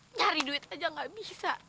nyari duit aja nggak bisa